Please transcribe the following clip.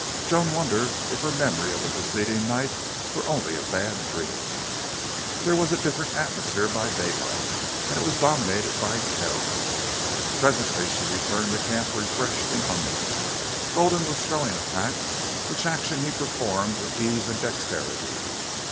Joan wondered if her memory of the preceding night were only a bad dream. There was a different atmosphere by daylight, and it was dominated by Kells. Presently she returned to camp refreshed and hungry. Gulden was throwing a pack, which action he performed with ease and dexterity.